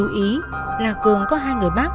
chú ý là cường có hai người bác